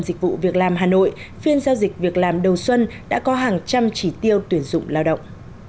dịch vụ việc làm hà nội phiên giao dịch việc làm đầu xuân đã có hàng trăm chỉ tiêu tuyển dụng lao động